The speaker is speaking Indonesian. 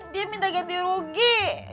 dia minta ganti rugi